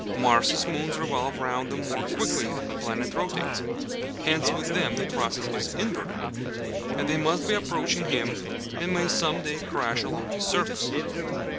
Mars' moons revolve round him more quickly than the planet rotates: hence with them the process is inverted, and they must be approaching him and may some day crash along his surface.